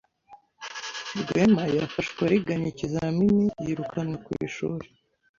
Rwema yafashwe ariganya ikizamini yirukanwa ku ishuri.